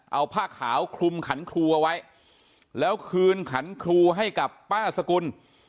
เอาผ้าขาวคลุมขันครูเอาไว้แล้วคืนขันครูให้กับป้าสกุล